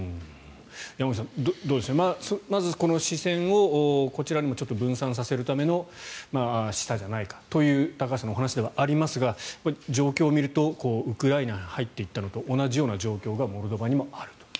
山口さん、どうでしょうまずこの視線をこちらにも分散させるための示唆じゃないかという高橋さんのお話ではありますが状況を見るとウクライナに入っていったのと同じような状況がモルドバにもあると。